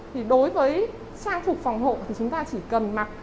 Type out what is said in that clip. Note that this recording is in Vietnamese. thì đối với trang phục phòng hộ thì chúng ta chỉ cần mặc